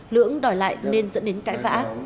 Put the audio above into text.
lưỡng đòi lại nên dẫn đến cãi vã ác